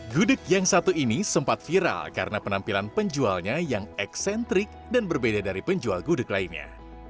gudeg yang satu ini sempat viral karena penampilan penjualnya yang eksentrik dan berbeda dari penjual gudeg lainnya